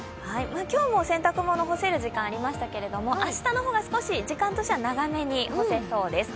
今日も洗濯物干せる時間がありましたけど、明日の方が少し時間としては長めに干せそうです。